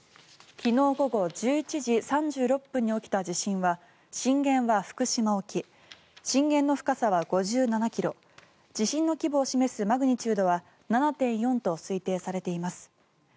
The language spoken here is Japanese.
昨日午後１１時３６分に起きた地震は震源は福島沖震源の深さは５７ｋｍ地震の規模を示すマグニチュードは７．４と推定されています。